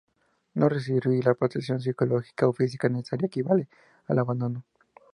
No recibir la protección psicológica o física necesaria equivale al abandono.